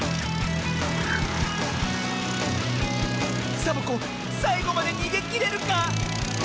サボ子さいごまでにげきれるか⁉あ！